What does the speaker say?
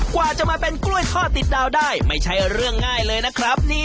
กว่าจะมาเป็นกล้วยทอดติดดาวได้ไม่ใช่เรื่องง่ายเลยนะครับ